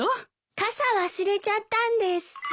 傘忘れちゃったんです。